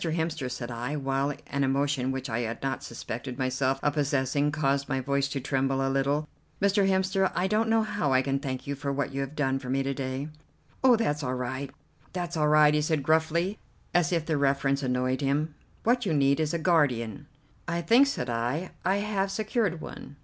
Hemster," said I, while an emotion which I had not suspected myself of possessing caused my voice to tremble a little; "Mr. Hemster, I don't know how I can thank you for what you have done for me to day." "Oh, that's all right, that's all right!" he said gruffly, as if the reference annoyed him. "What you need is a guardian." "I think," said I, "I have secured one."